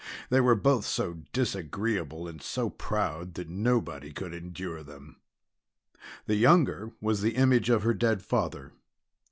They were both so disagreeable and so proud that nobody could endure them. The younger was the image of her dead father.